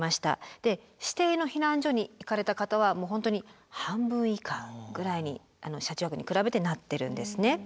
で指定の避難所に行かれた方はもう本当に半分以下ぐらいに車中泊に比べてなってるんですね。